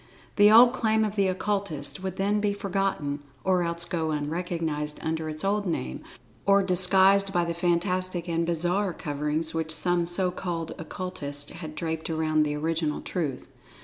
The old claim of the Occultists would then be forgotten or else go unrecognized under its old name; or disguised by the fantastic and bizarre coverings which some so called Occultists had draped around the original Truth.